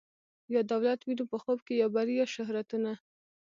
یا دولت وینو په خوب کي یا بری یا شهرتونه